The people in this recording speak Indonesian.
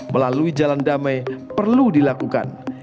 melalui jalan damai perlu dilakukan